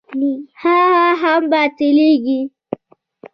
هغه هم باطلېږي.